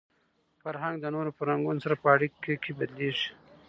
فرهنګ د نورو فرهنګونو سره په اړیکه کي بدلېږي.